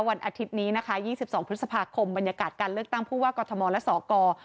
วันอาทิตย์นี้นะคะ๒๒พฤษภาคมบรรยากาศการเลือกตั้งผู้ว่ากอทมและสก